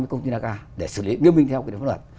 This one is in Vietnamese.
các công ty vinaca để xử lý nghiêm binh theo pháp luật